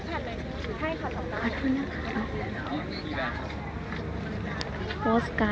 มันเป็นสิ่งที่จะให้ทุกคนรู้สึกว่า